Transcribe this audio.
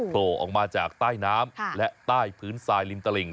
โผล่ออกมาจากใต้น้ำและใต้พื้นทรายริมตลิ่ง